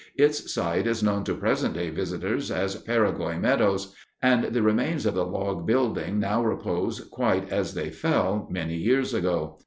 Its site is known to present day visitors as Peregoy Meadows, and the remains of the log building now repose quite as they fell many years ago.